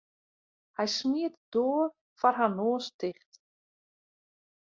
Hy smiet de doar foar har noas ticht.